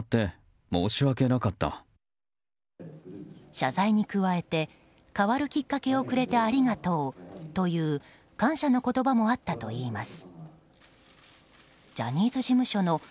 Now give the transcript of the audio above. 謝罪に加えて変わるきっかけをくれて、ありがとうという感謝の言葉もあったといいます。